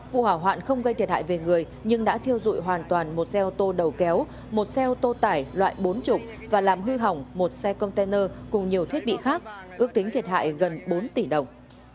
vụ hỏa hoạn không gây thiệt hại về người nhưng đã thiêu dụi hoàn toàn một xe ô tô đầu kéo một xe ô tô tải loại bốn mươi và làm hư hỏng một xe container cùng nhiều thiết bị khác ước tính thiệt hại gần bốn tỷ đồng